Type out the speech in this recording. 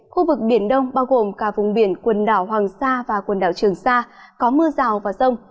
khu vực biển đông bao gồm cả vùng biển quần đảo hoàng sa và quần đảo trường sa có mưa rào và rông